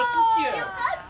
よかった！